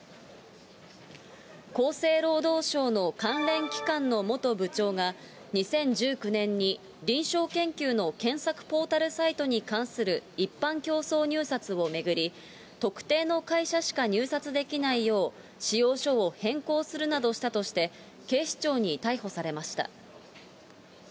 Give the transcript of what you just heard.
厚生労働省の関連機関の元部長が、２０１９年に臨床研究の検索ポータルサイトに関する一般競争入札を巡り、特定の会社しか入札できないよう、仕様書を変更するなどしたとして、警視庁に逮捕されました。